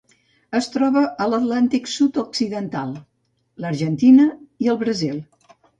Es troba a l'Atlàntic sud-occidental: l'Argentina i el Brasil.